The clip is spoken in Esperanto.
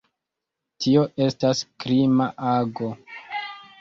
Tio estas krima ago.